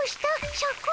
シャク。